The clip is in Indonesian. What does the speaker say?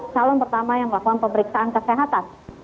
calon pertama yang melakukan pemeriksaan kesehatan